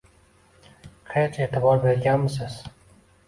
Hech e’tibor berganmisiz